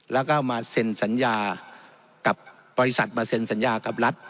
แล้วก็มาเซ็นสัญญากับบริษัทมาเซ็นสัญญากับรัฐ